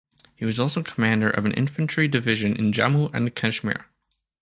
He was also commander of an infantry division in Jammu and Kashmir.